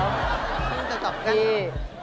ไม่ว่าจะตอบกั้น